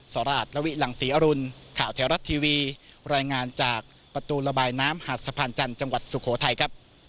ราชละวิหลังศรีอรุณข่าวแถวรัฐทีวีรายงานจากประตูระบายน้ำหาดสะพานจันทร์จังหวัดสุโขทัยครับ